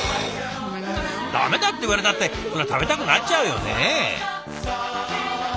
駄目だって言われたってそりゃ食べたくなっちゃうよね。